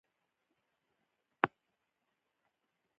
اتلسم لوست کتاب او کتابتون په اړه دی.